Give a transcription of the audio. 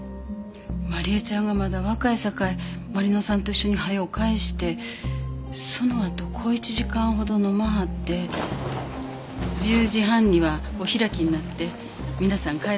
まり枝ちゃんがまだ若いさかいまり乃さんと一緒に早う帰してそのあと小一時間ほど飲まはって１０時半にはお開きになって皆さん帰らはりました。